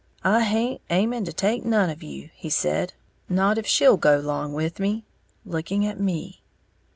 "I haint aiming to take none of you," he said, "not if she'll go 'long with me," looking at me.